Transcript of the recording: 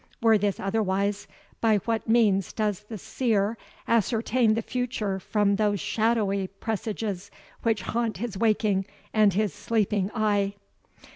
Were this otherwise, by what means does the Seer ascertain the future from those shadowy presages which haunt his waking and his sleeping eye?